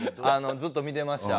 ずっと見てました。